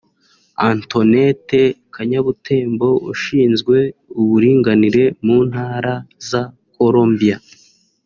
Antonette Kanyabutembo ushinzwe uburinganire mu Ntara za Colombia